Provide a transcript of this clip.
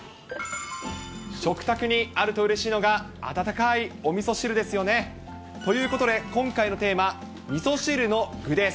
食卓にあるとうれしいのが温かいおみそ汁ですよね。ということで、今回のテーマ、みそ汁の具です。